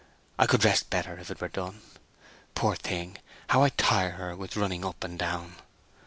I could rest better if it were done. Poor thing! how I tire her with running up and down!"